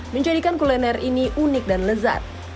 menjadikan kuliner ini unik dan lezat